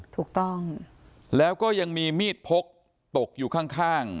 ถูกต้องแล้วก็ยังมีมีดพกตกอยู่ข้างข้าง